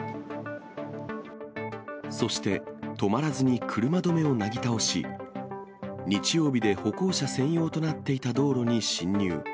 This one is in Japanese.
そして、止まらずに車止めをなぎ倒し、日曜日で歩行者専用となっていた道路に進入。